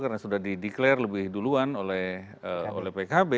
karena sudah di declare lebih duluan oleh pkb